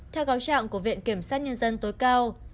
theo cáo trạng của viện kiểm sát nhân dân tối cao